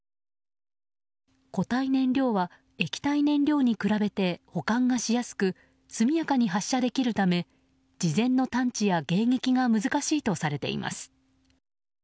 固体燃料は液体燃料に比べて保管がしやすく速やかに発射できるため事前の探知や迎撃が難しいとされています。